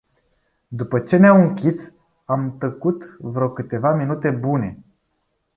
După ce ne-au închis, am tăcut vreo câteva minute bune